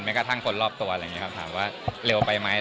กระทั่งคนรอบตัวอะไรอย่างนี้ครับถามว่าเร็วไปไหม